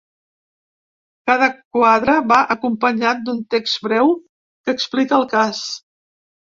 Cada quadre va acompanyat d’un text breu que explica el cas.